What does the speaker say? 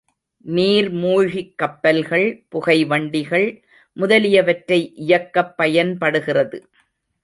நீர்மூழ்கிக் கப்பல்கள், புகைவண்டிகள் முதலியவற்றை இயக்கப் பயன்படுகிறது.